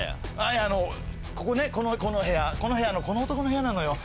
いやあのここねこの部屋この部屋この男の部屋なのよ。